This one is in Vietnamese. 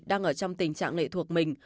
đang ở trong tình trạng lệ thuộc mình